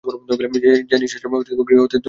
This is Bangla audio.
সে নিশ্বাস শূন্য গৃহে ধ্বনিত হইয়া উঠিল।